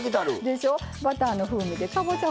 でしょバターの風味でかぼちゃ